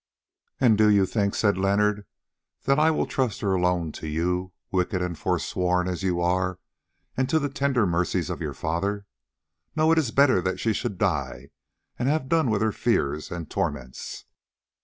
"And do you think," said Leonard, "that I will trust her alone to you, wicked and forsworn as you are, and to the tender mercies of your father? No, it is better that she should die and have done with her fears and torments."